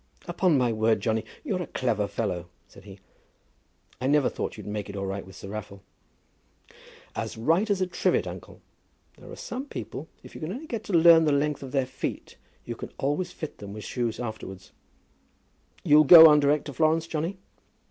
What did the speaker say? "Upon my word, Johnny, you're a clever fellow," said he. "I never thought that you'd make it all right with Sir Raffle." "As right as a trivet, uncle. There are some people, if you can only get to learn the length of their feet, you can always fit them with shoes afterwards." [Illustration: "As right as a trivet, Uncle."] "You'll go on direct to Florence, Johnny?"